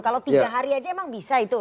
kalau tiga hari aja emang bisa itu